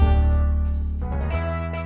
terima kasih mas pur